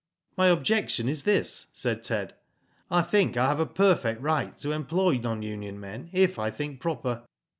" My objection is this," said Ted. I think I have a perfect right to employ non union men if I think proper.